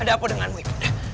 ada apa denganmu ibu